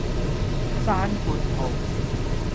閂括號